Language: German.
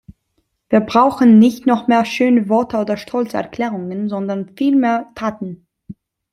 Wir brauchen nicht noch mehr schöne Worte oder stolze Erklärungen, sondern vielmehr Taten.